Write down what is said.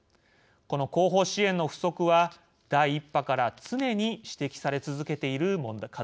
この後方支援の不足は第１波から常に指摘され続けている課題です。